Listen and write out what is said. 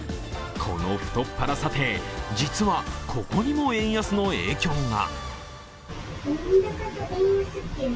この太っ腹査定、実はここにも円安の影響が。